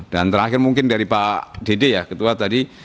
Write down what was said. dan terakhir mungkin dari pak dede ya ketua tadi